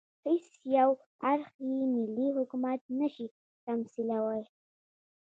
هېڅ یو اړخ یې ملي حکومت نه شي تمثیلولای.